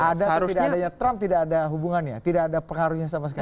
ada atau tidak adanya trump tidak ada hubungannya tidak ada pengaruhnya sama sekali